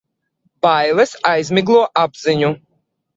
Bailes aizmiglo apziņu.